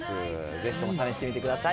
ぜひとも試してみてください。